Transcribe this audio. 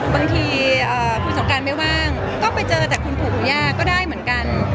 บางทีคุณสงการไม่ว่างก็ไปเจอแต่คุณปู่คุณย่าก็ได้เหมือนกัน